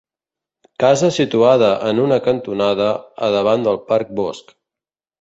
Casa situada en una cantonada, a davant del Parc-Bosc.